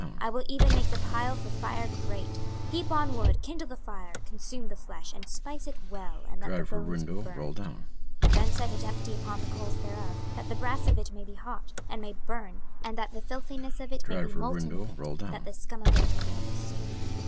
I will even make the pile for fire great. 26:024:010 Heap on wood, kindle the fire, consume the flesh, and spice it well, and let the bones be burned. 26:024:011 Then set it empty upon the coals thereof, that the brass of it may be hot, and may burn, and that the filthiness of it may be molten in it, that the scum of it may be consumed.